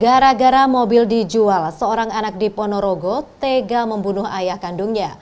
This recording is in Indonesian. gara gara mobil dijual seorang anak di ponorogo tega membunuh ayah kandungnya